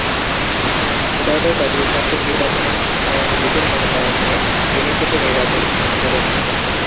গত জাতীয় সংসদ নির্বাচনে তিনি আওয়ামী লীগের মনোনয়ন নিয়ে ফেনী থেকে নির্বাচন করেন।